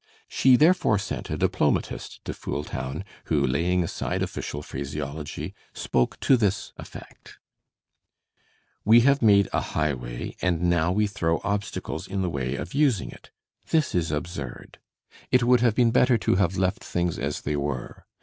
She therefore sent a diplomatist to Fooltown, who, laying aside official phraseology, spoke to this effect: "We have made a highway, and now we throw obstacles in the way of using it. This is absurd. It would have been better to have left things as they were.